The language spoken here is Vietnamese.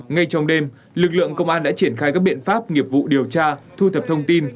ngay trong đêm lực lượng công an đã triển khai các biện pháp nghiệp vụ điều tra thu thập thông tin